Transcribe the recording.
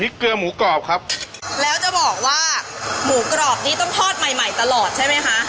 เกลือหมูกรอบครับแล้วจะบอกว่าหมูกรอบนี้ต้องทอดใหม่ใหม่ตลอดใช่ไหมคะ